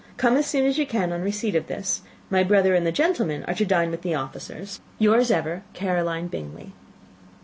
Come as soon as you can on the receipt of this. My brother and the gentlemen are to dine with the officers. Yours ever, "CAROLINE BINGLEY."